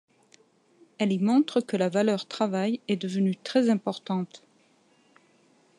Elle y montre que la valeur travail est devenue très importante.